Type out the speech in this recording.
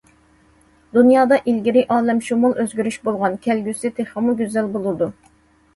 دۇنيادا ئىلگىرى ئالەمشۇمۇل ئۆزگىرىش بولغان، كەلگۈسى تېخىمۇ گۈزەل بولىدۇ.